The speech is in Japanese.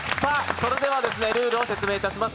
それではルールを説明いたします。